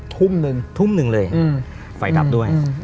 ทุ่มหนึ่งทุ่มหนึ่งเลยไฟดับด้วย